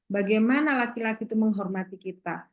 bagaimana laki laki itu menghormati kita